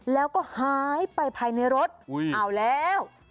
แล้วก็หายไปภายในรถเอาแล้ว